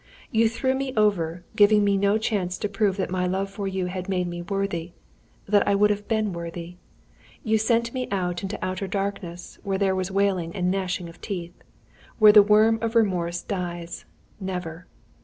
You threw me over, giving me no chance to prove that my love for you had made me worthy that I would have been worthy. You sent me into outer darkness, where there was wailing and gnashing of teeth; where the worm of remorse dies never.